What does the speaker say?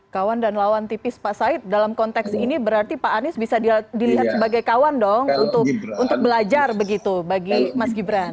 kawan dan lawan tipis pak said dalam konteks ini berarti pak anies bisa dilihat sebagai kawan dong untuk belajar begitu bagi mas gibran